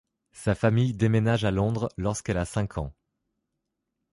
Sa famille déménage à Londres lorsqu'elle a cinq ans.